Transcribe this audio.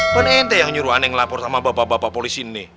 kan ente yang nyuruh aneh ngelapor sama bapak bapak polisi ini